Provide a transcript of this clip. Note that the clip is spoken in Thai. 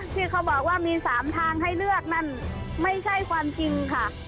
ที่เขาบอกว่ามี๓ทางให้เลือกนั่นไม่ใช่ความจริงค่ะ